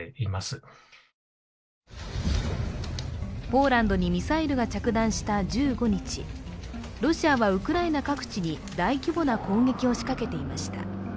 ポーランドにミサイルが着弾した１５日、ロシアはウクライナ各地に大規模な攻撃を仕掛けていました。